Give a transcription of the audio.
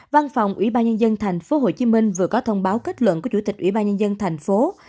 văn phòng ủy ban nhân dân tp hcm vừa có thông báo kết luận của chủ tịch ủy ban nhân dân thành phố